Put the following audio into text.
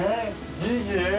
じいじ？